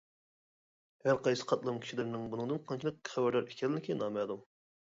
ھەر قايسى قاتلام كىشىلىرىنىڭ بۇنىڭدىن قانچىلىك خەۋەردار ئىكەنلىكى نامەلۇم.